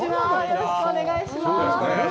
よろしくお願いします。